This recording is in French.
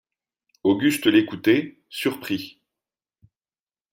Auguste l'écoutait, surpris.